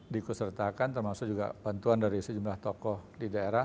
dikusertakan termasuk juga bantuan dari sejumlah tokoh di daerah